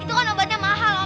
itu kan obatnya mahal om